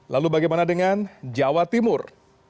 lalu bagaimana dengan jawa timur